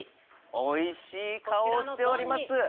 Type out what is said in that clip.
おいしい顔をしております。